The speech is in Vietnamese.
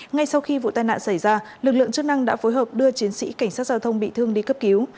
ngay sau khi vụ tai nạn xảy ra lực lượng chức năng đã phối hợp đưa chiến sĩ cảnh sát giao thông bị thương đi cấp cứu